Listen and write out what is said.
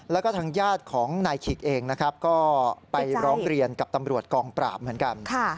แล้วก็ทางญาติของนายขิกเองนะครับก็ไปร้องเรียนกับตำรวจกองปราบเหมือนกัน